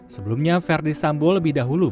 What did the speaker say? sebelumnya verdi sambo lebih dahulu